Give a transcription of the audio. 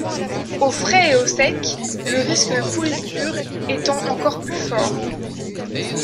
Au frais et au sec, le risque de pourriture étant encore plus fort.